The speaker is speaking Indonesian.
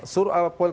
pdkdki batal loh